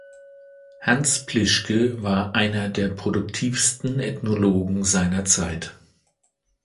Hans Plischke war einer der produktivsten Ethnologen seiner Zeit.